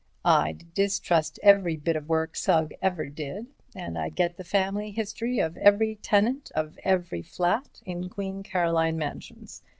"I'd distrust every bit of work Sugg ever did, and I'd get the family history of every tenant of every flat in Queen Caroline Mansions.